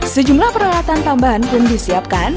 sejumlah peralatan tambahan pun disiapkan